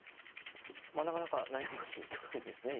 まあなかなか悩ましい局面ですね。